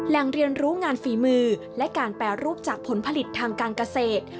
แหล่งเรียนรู้งานฝีมือและการแปรรูปจากผลผลิตทางการเกษตร